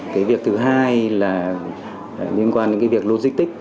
cái việc thứ hai là liên quan đến cái việc logic tài liệu